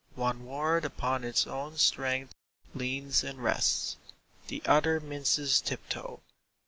One word upon its own strength leans and rests; The other minces tiptoe.